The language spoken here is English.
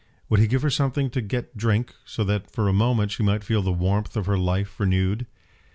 Would he give her something to get drink, so that for a moment she might feel the warmth of her life renewed?